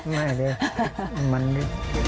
ไม่ได้มันมันดิ